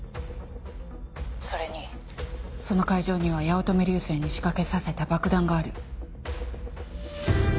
それにその会場には八乙女流星に仕掛けさせた爆弾がある。